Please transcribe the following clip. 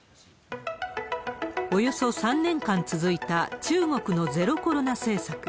およそ３年間続いた中国のゼロコロナ政策。